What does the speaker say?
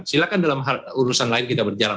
silahkan dalam urusan lain kita berjalan